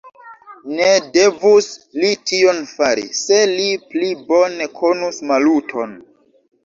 Ne devus li tion fari, se li pli bone konus Maluton!